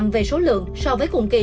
về số lượng so với cùng kỳ